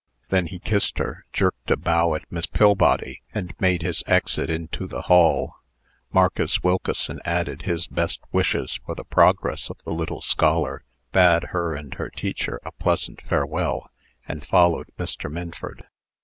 Then he kissed her, jerked a bow at Miss Pillbody, and made his exit into the hall. Marcus Wilkeson added his best wishes for the progress of the little scholar, bade her and her teacher a pleasant farewell, and followed Mr. Minford.